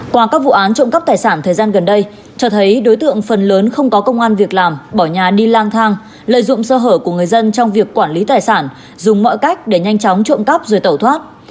qua các vụ án trộm cắp tài sản thời gian gần đây cho thấy đối tượng phần lớn không có công an việc làm bỏ nhà đi lang thang lợi dụng sơ hở của người dân trong việc quản lý tài sản dùng mọi cách để nhanh chóng trộm cắp rồi tẩu thoát